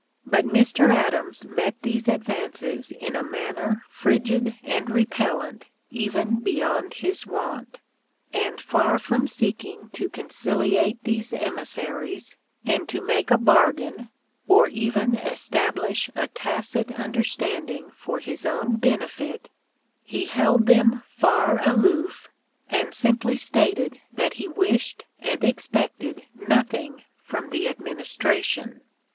But Mr. Adams met these advances in a manner frigid and repellent even beyond his wont, and far from seeking to conciliate these emissaries, and to make a bargain, or even establish a tacit understanding for his own benefit, he held them far aloof, and simply stated that he wished and expected nothing from the administration.